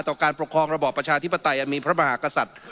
การปกครองระบอบประชาธิปไตยอันมีพระมหากษัตริย์